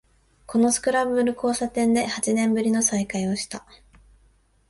このスクランブル交差点で八年ぶりの再会をした